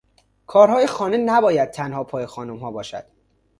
کارهای خانه نباید تنها پا خانمها باشد.